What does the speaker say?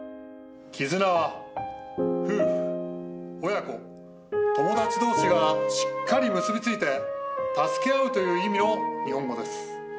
「絆」は夫婦親子友達同士がしっかり結び付いて助け合うという意味の日本語です。